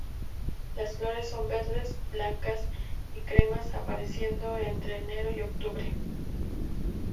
Las flores son verdes, blancas y cremas; apareciendo entre enero y octubre.